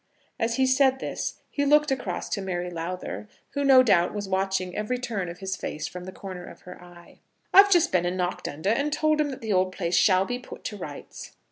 As he said this he looked across to Mary Lowther, who no doubt was watching every turn of his face from the corner of her eye. "I've just been and knocked under, and told him that the old place shall be put to rights."